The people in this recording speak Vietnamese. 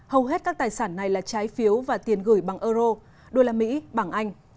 hầu hết các tài sản này là trái phiếu và tiền gửi bằng euro đô la mỹ bằng anh